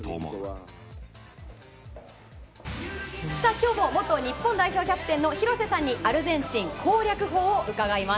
今日も元日本代表キャプテンの廣瀬さんにアルゼンチン攻略法を伺います。